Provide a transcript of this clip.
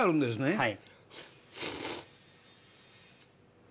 はい。